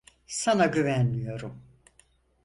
Sana güvenmiyorum.